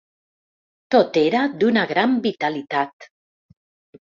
Tot era d’una gran vitalitat.